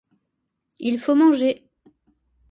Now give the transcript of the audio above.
Il faut manger.